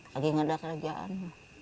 lagi nggak ada kerjaan